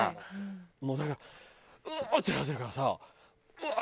もうだからうわー！ってなってるからさうわー！